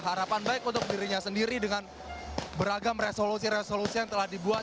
harapan baik untuk dirinya sendiri dengan beragam resolusi resolusi yang telah dibuat